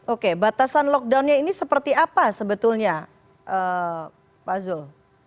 oke batasan lockdownnya ini seperti apa sebetulnya pak zul